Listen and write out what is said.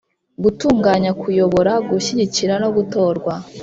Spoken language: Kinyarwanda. gutunganya kuyobora gushyigikira no gutorwa